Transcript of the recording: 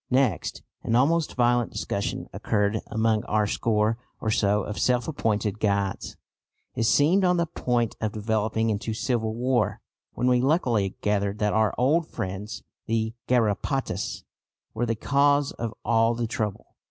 Next, an almost violent discussion occurred among our score or so of self appointed guides. It seemed on the point of developing into civil war, when we luckily gathered that our old friends the garrapatas were the cause of all the trouble.